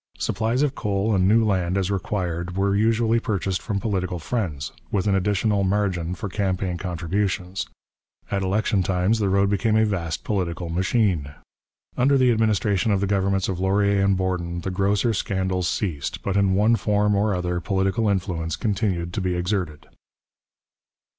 Supplies of coal and new land as required were usually purchased from political friends, with an additional margin for campaign contributions; at election times the road became a vast political machine. Under the administration of the governments of Laurier and Borden the grosser scandals ceased, but in one form or other political influence continued to be exerted.